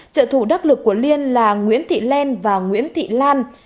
trợ thủ đắc lực của liên là nguyễn thị len và nguyễn thị lan